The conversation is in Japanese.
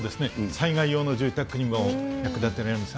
災害用の住宅にも役立てられます。